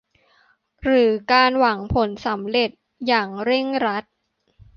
หรือการหวังผลสำเร็จอย่างเร่งรัด